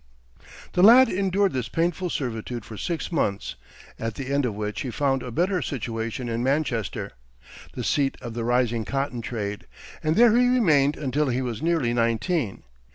The lad endured this painful servitude for six months, at the end of which he found a better situation in Manchester, the seat of the rising cotton trade, and there he remained until he was nearly nineteen.